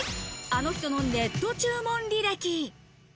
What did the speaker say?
あの人のネット注文履歴。